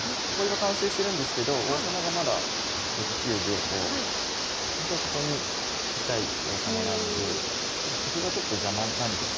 囲いは完成してるんですけど王様がまだ６九でほんとはここにいたい王様なのでただ角がちょっと邪魔なんですよね。